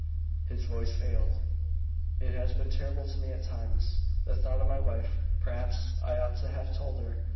His voice failed. "It has been terrible to me at times, the thought of my wife. Perhaps I ought to have told her.